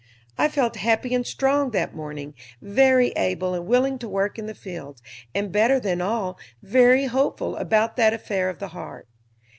I felt happy and strong that morning, very able and willing to work in the fields, and, better than all, very hopeful about that affair of the heart.